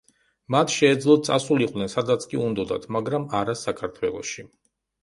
მათ შეეძლოთ წასულიყვნენ, სადაც კი უნდოდათ, მაგრამ არა საქართველოში.